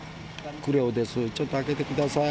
栗尾です、ちょっと開けてください